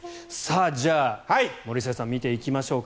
じゃあ森末さん見ていきましょうか。